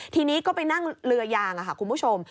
ทีนี้ก็ไปนั่งเรือยางค่ะคุณผู้ชม